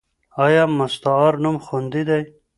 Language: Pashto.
ایا مستعار نوم خوندي دی؟